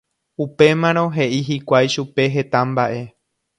Upémarõ he'i hikuái chupe heta mba'e